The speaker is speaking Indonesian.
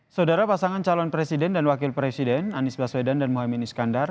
saudara pasangan calon presiden dan wakil presiden anies baswedan dan muhaymin iskandar